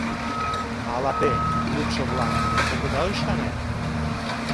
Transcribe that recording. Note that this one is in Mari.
Ала те, лудшо-влак, огыда ӱшане?